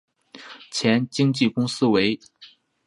前经纪公司为。